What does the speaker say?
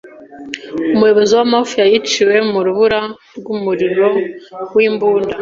Umuyobozi wa mafia yiciwe mu rubura rw'umuriro w'imbunda.